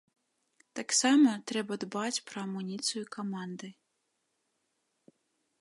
Таксама трэба дбаць пра амуніцыю каманды.